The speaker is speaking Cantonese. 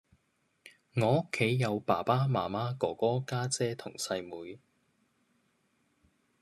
我屋企有爸爸媽媽，哥哥，家姐同細妹